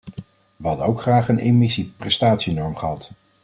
We hadden ook graag een emissieprestatienorm gehad.